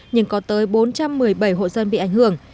nhưng có tới bốn trăm một mươi bảy hộ dân bị ảnh hưởng